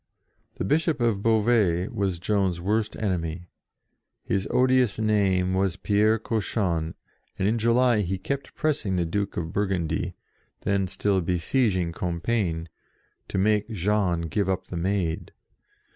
The Bishop of Beauvais was Joan's worst enemy : his odious name was Pierre Cauchon, and in July he kept pressing the Duke of Bur gundy, then still besieging Compiegne, to make Jean give up the Maid.